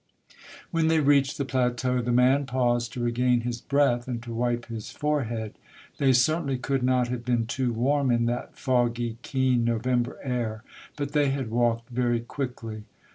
When they reached the plateau, the man paused to regain his breath, and to wipe his forehead. They certainly could not have been too warm in that foggy, keen November air, but they had walked very quickly.